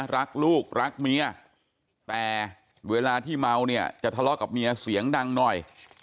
รักลูกรักเมียแต่เวลาที่เมาเนี่ยจะทะเลาะกับเมียเสียงดังหน่อย